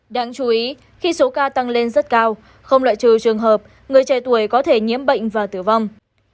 đáng chú ý khi số ca tăng lên rất cao không loại trừ trường hợp người trẻ tuổi có thể nhiễm bệnh và tử vong